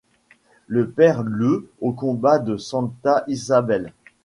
Le perd le au combat de Santa Isabel.